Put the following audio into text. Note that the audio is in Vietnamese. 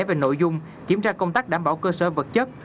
về nội dung kiểm tra công tác đảm bảo cơ sở vật chất